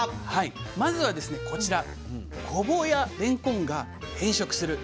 まずはですねこちらごぼうやれんこんが変色する。